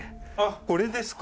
これですか？